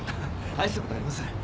大したことありません。